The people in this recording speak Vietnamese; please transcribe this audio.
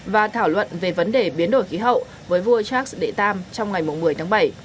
và thảo luận về vấn đề biến đổi khí hậu với vua charles iii trong ngày một mươi tháng bảy